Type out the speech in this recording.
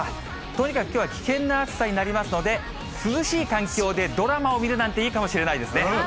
とにかくきょうは危険な暑さになりますので、涼しい環境でドラマを見るなんていいかもしれませんね。